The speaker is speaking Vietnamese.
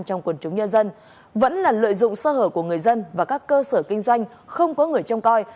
trong quần chúng nhân dân vẫn là lợi dụng sơ hở của người dân và các cơ sở kinh doanh không có người trông coi